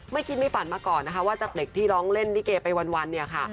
ไม่คิดไม่ฝันมาก่อนนะคะว่าจากเด็กที่ร้องเล่นลิเกไปวันเนี่ยค่ะ